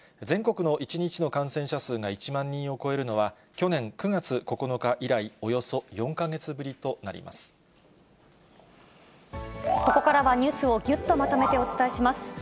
全国の１日の感染者数が１万人を超えるのは、去年９月９日以来、ここからは、ニュースをぎゅっとまとめてお伝えします。